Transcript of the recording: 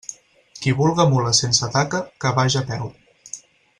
Qui vulga mula sense taca, que vaja a peu.